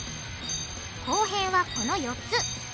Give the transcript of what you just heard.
後編はこの４つ。